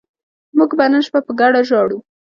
موږ به نن شپه په ګډه ژاړو